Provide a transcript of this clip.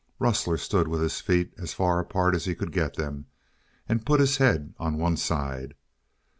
Rustler stood with his feet as far apart as he could get them, and put his head on one side.